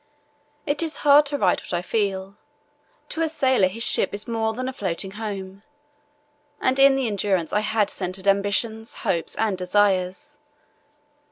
It is hard to write what I feel. To a sailor his ship is more than a floating home, and in the Endurance I had centred ambitions, hopes, and desires.